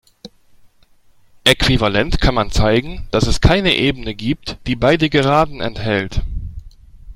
Äquivalent kann man zeigen, dass es keine Ebene gibt, die beide Geraden enthält.